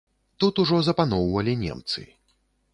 Тут ужо запаноўвалі немцы.